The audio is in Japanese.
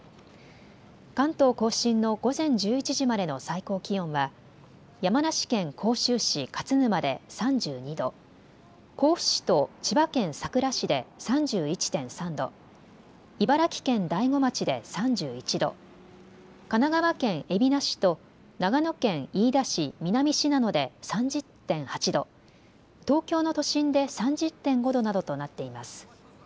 関東甲信の午前１１時までの最高気温は山梨県甲州市勝沼まで３２度、甲府市と千葉県佐倉市で３１．３度、茨城県大子町で３１度、神奈川県海老名市と長野県飯田市南信濃で３０．８度、東京の都心で３０．５度などとなっています。